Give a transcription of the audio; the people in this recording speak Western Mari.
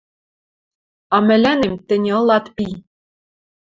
А мӹлӓнем тӹньӹ ылат пи!..» —